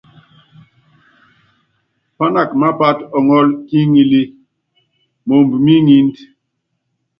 Pánaka mápát ɔŋɔ́l ki iŋilí moomb ki ŋínd.